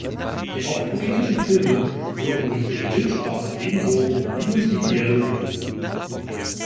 Die oft poetischen Filme wirken durch ihre Bildsprache ebenso wie durch die Dialoge.